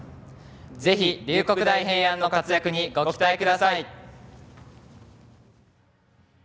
ぜひ、龍谷大平安の活躍にご期待下さい！